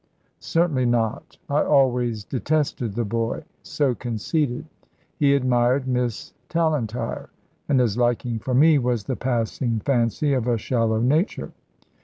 "Certainly not. I always detested the boy so conceited. He admired Miss Tallentire, and his liking for me was the passing fancy of a shallow nature.